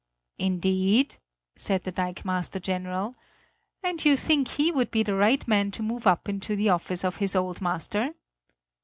"Indeed?" said the dikemaster general; "and you think, he would be the right man to move up into the office of his old master?"